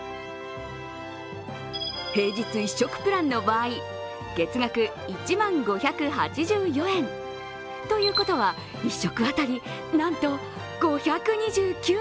平日１食プランの場合月額１万５８４円。ということは、１食当たりなんと５２９円。